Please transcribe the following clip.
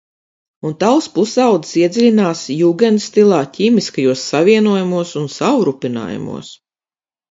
Un tavs pusaudzis iedziļinās jūgendstilā, ķīmiskajos savienojumos un savrupinājumos.